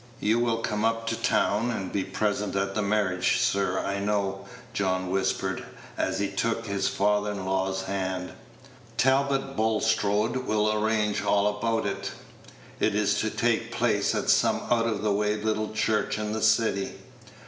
"You will come up to town, and be present at the marriage, sir, I know," John whispered, as he took his father in law's hand. "Talbot Bulstrode will arrange all about it. It is to take place at some out of the way little church in the city.